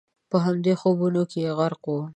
په همدې خوبونو کې غرق ووم.